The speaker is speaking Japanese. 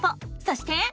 そして。